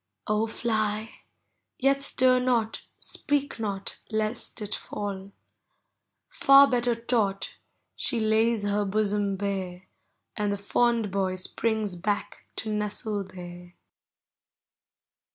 O, Hy— yet stir not, speak not, lest it fall. — Far better taught, she lays her bosom bare. And the fond boy springs back to nestle there.